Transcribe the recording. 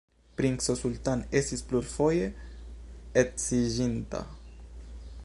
Princo Sultan estis plurfoje edziĝinta.